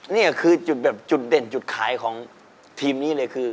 นี่คือจุดแบบจุดเด่นจุดขายของทีมนี้เลยคือ